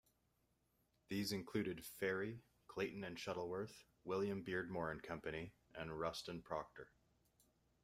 These included Fairey, Clayton and Shuttleworth, William Beardmore and Company and Ruston Proctor.